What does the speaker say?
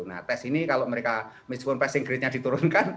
nah tes ini kalau mereka meskipun passing grade nya diturunkan